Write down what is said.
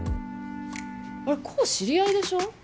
あれ功知り合いでしょ？